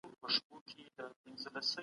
د غلا په مټ نوي تاریخونه مه لګوئ.